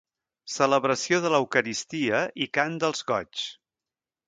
Celebració de l'eucaristia i cant dels goigs.